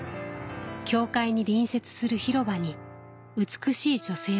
教会に隣接する広場に美しい女性の銅像が立っています。